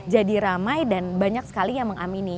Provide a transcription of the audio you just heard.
jadi ramai dan banyak sekali yang mengamini